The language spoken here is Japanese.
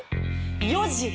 ４時！